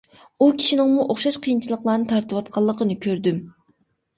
ئۇ كىشىنىڭمۇ ئوخشاش قىيىنچىلىقلارنى تارتىۋاتقانلىقىنى كۆردۈم.